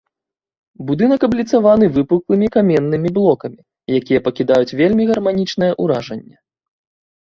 Будынак абліцаваны выпуклымі каменнымі блокамі, якія пакідаюць вельмі гарманічнае ўражанне.